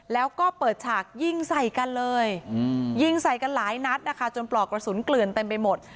แล้วก็เปิดฉากยิงใส่กันเลยยิงใส่กันหลายนัดนะคะจนปลอกกระสุนเกลือนเต็มไปหมด